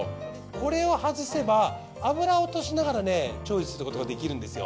これを外せば油を落としながらね調理することができるんですよ。